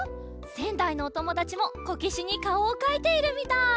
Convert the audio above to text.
せんだいのおともだちもこけしにかおをかいているみたい！